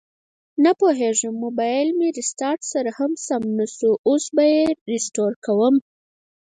نپوهیږم مبایل مې ریسټارټ سره هم جوړ نشو، اوس به یې ریسټور کړم